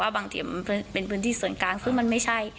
บางเถียมเป็นพื้นที่ส่วนกลางซึ่งมันไม่ใช่